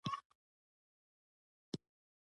له سیاست سره یې کار نه و.